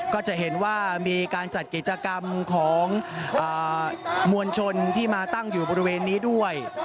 ก็จะเห็นว่ามีการจัดกิจกรรมของมวลชนที่มาตั้งอยู่บริเวณนี้ด้วย